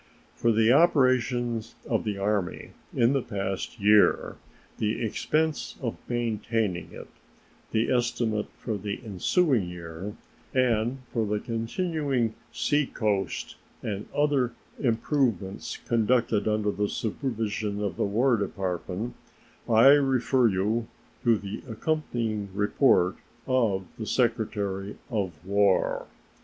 For the operations of the Army in the past year, the expense of maintaining it, the estimate for the ensuing year, and for continuing seacoast and other improvements conducted under the supervision of the War Department, I refer you to the accompanying report of the Secretary of War.